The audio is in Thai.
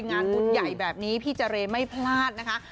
งานบุญใหญ่แบบนี้พี่เจรไม่พลาดนะคะ